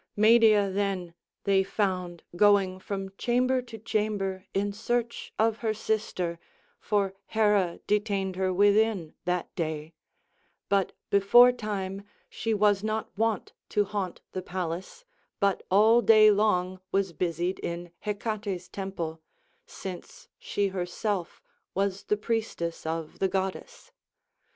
Medea then [they found] going from chamber to chamber in search of her sister, for Hera detained her within that day; but beforetime she was not wont to haunt the palace, but all day long was busied in Hecate's temple, since she herself was the priestess of the goddess.